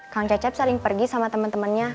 kang cecep sering pergi sama temen temennya